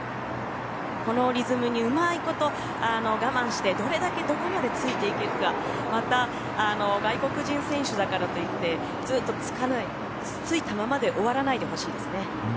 このリズムにうまいこと我慢してどれだけどこまでついていけるかまた、外国人選手だからといってずっとついたままで終わらないでほしいですね。